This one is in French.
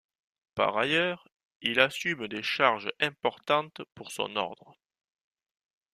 Par ailleurs, il assume des charges importantes pour son ordre.